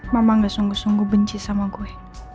mama gak sungguh sungguh benci sama gue